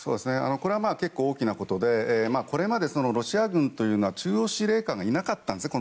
これは結構大きなことでこれまでロシア軍は中央司令官がいなかったんですね。